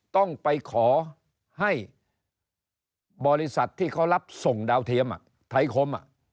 ต้องไปขอให้บริษัทที่เขารับส่งดาวเทียมไทยคม